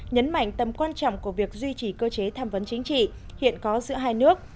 nhấn mạnh tầm quan trọng của việc duy trì cơ chế tham vấn chính trị hiện có giữa hai nước